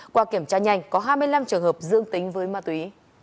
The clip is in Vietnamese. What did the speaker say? qua kiểm tra nhanh có hai mươi năm trường hợp dương tính với ma túy